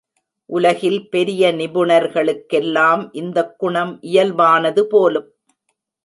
உலகில் பெரிய நிபுணர்களுக்கெல்லாம் இந்தக் குணம் இயல்பானது போலும்!